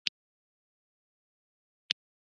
مصنوعي ځیرکتیا د حکومتدارۍ بهیر بدلوي.